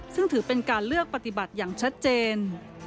ซึ่งถือเป็นการเลือกปฏิบัติอย่างชัดเจน